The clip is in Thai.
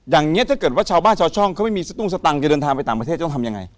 อย่างนี้ถ้าเกิดว่าชาวบ้านชาวช่องเขาไม่มีสตุ้งสตังค์จะเดินทางไปต่างประเทศต้องทำยังไง